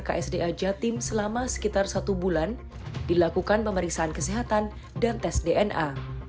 ksda jatim selama sekitar satu bulan dilakukan pemeriksaan kesehatan dan tes dna